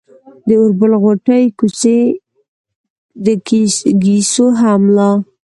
د اوربل غوټې، کوڅۍ، د ګيسو هم لا